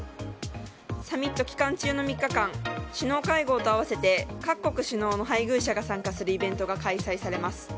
サミット期間中の３日間首脳会合と合わせて各国首脳の配偶者が参加するイベントが開催されます。